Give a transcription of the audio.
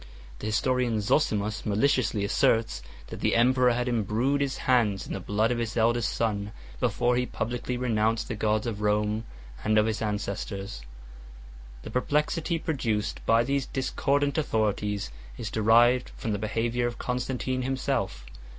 3 The historian Zosimus maliciously asserts, that the emperor had imbrued his hands in the blood of his eldest son, before he publicly renounced the gods of Rome and of his ancestors. 4 The perplexity produced by these discordant authorities is derived from the behavior of Constantine himself.